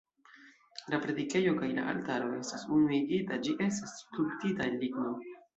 La predikejo kaj la altaro estas unuigita, ĝi estas skulptita el ligno.